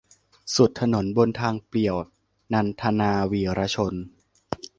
สุดถนนบนทางเปลี่ยว - นันทนา วีระชน